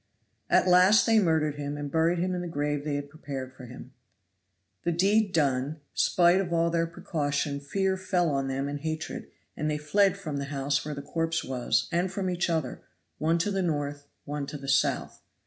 At last they murdered him and buried him in the grave they had prepared for him. The deed done, spite of all their precaution fear fell on them and hatred, and they fled from the house where the corpse was and from each other, one to the north, one to the south.